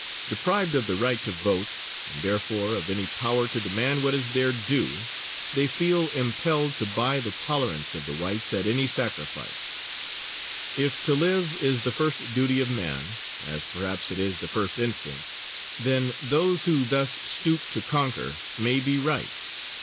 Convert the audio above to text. Deprived of the right to vote, and, therefore, of any power to demand what is their due, they feel impelled to buy the tolerance of the whites at any sacrifice. If to live is the first duty of man, as perhaps it is the first instinct, then those who thus stoop to conquer may be right.